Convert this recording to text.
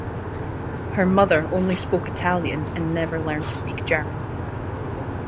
Her mother only spoke Italian and never learned to speak German.